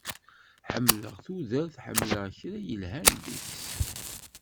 Ḥemmleɣ tudert, ḥemmleɣ kra yelhan deg-s.